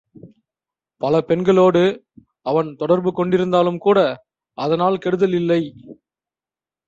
பல பெண்களோடு, அவன் தொடர்பு கொண்டிருந்தாலும்கூட அதனால் கெடுதல் இல்லை.